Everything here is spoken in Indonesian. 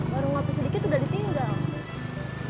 baru waktu sedikit udah ditinggal